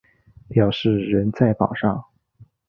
表示仍在榜上